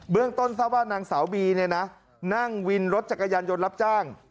ต้นทราบว่านางสาวบีเนี่ยนะนั่งวินรถจักรยานยนต์รับจ้าง